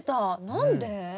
何で？